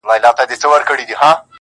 اوس به څوك رايادوي تېري خبري!.